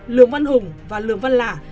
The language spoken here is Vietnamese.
lương văn hùng và lương văn lả